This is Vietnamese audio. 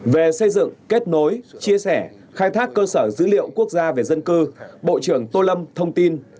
về xây dựng kết nối chia sẻ khai thác cơ sở dữ liệu quốc gia về dân cư bộ trưởng tô lâm thông tin